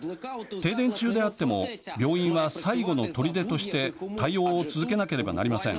停電中であっても病院は最後のとりでとして対応を続けなければなりません。